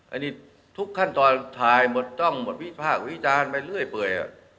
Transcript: อันนี้ทุกขั้นตอนถ่ายหมดจ้องหมดวิพากษ์วิจารณ์ไปเรื่อยเปื่อย